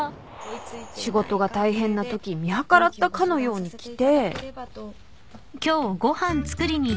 仕事が大変なとき見計らったかのように来て。